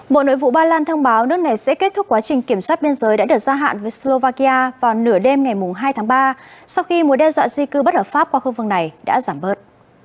bộ nội vụ ba lan thông báo nước này sẽ kết thúc quá trình kiểm soát biên giới đã được gia hạn với slovakia vào nửa đêm ngày hai tháng ba sau khi mối đe dọa di cư bất hợp pháp qua khu vực này đã giảm bớt